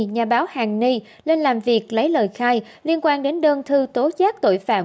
nhà báo hàn ni lên làm việc lấy lời khai liên quan đến đơn thư tố giác tội phạm